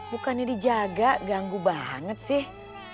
bukan ini dijaga ganggu banget sih